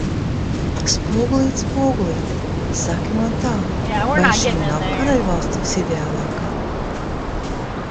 Spogulīt, spogulīt, saki man tā, vai šī nav karaļvalsts visideālākā?